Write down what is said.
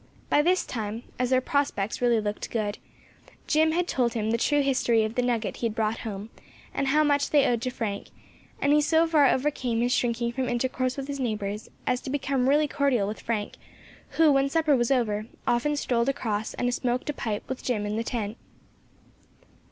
By this time, as their prospects really looked good, Jim had told him the true history of the nugget he had brought home, and how much they owed to Frank; and he so far overcame his shrinking from intercourse with his neighbours, as to become really cordial with Frank, who, when supper was over, often strolled across and smoked a pipe with Jim in the tent.